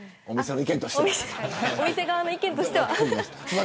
お店側の意見としては。